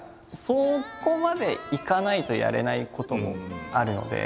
そこまでいかないとやれないこともあるので。